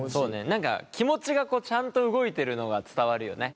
何か気持ちがちゃんと動いてるのが伝わるよね。